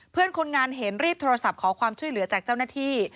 เพื่อนคนงานเห็นรีบโทรศัพท์ขอความช่วยเหลือจากเจ้าหน้าที่